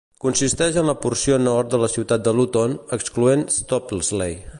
Consisteix en la porció nord de la ciutat de Luton, excloent Stopsley.